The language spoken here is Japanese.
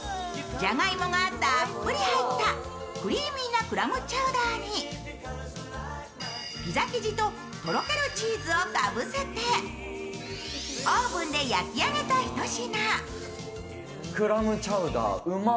じゃがいもがたっぷり入ったクリーミーなクラムチャウダーに、ピザ生地ととろけるチーズをかぶせてオーブンで焼き上げたひと品。